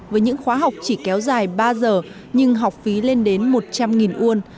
với những khóa học chỉ kéo dài ba giờ nhưng học phí lên đến một trăm linh won